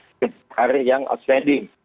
mbak puan sudah hari yang outstanding